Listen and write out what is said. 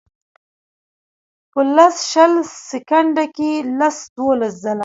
پۀ لس شل سیکنډه کښې لس دولس ځله